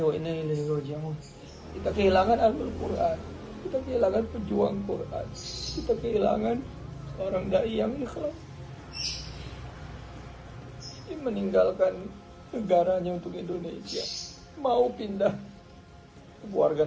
meski masyarakat indonesia tidak menerima kebenaran